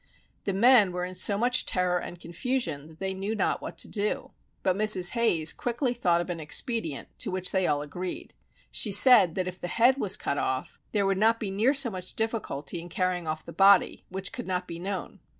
The men were in so much terror and confusion that they knew not what to do; but Mrs. Hayes quickly thought of an expedient in which they all agreed. She said that if the head was cut off, there would not be near so much difficulty in carrying off the body, which could not be known.